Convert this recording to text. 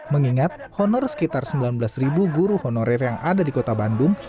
mengingat honor sekitar sembilan belas guru honorer yang ada di kota bandung